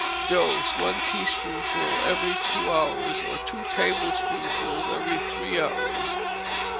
Dose, one teaspoonful every two hours, or two tablespoonfuls every three hours.